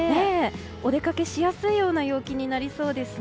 お出かけしやすいような陽気になりそうですね。